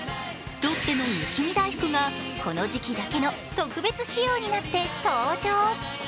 ロッテの雪見だいふくがこの時期だけの特別仕様になって登場。